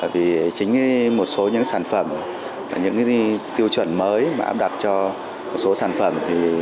vì chính một số những sản phẩm những tiêu chuẩn mới mà áp đặt cho một số sản phẩm